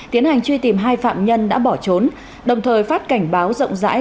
tiến hành truy tìm hai phạm nhân đã bỏ trốn đồng thời phát cảnh báo rộng rãi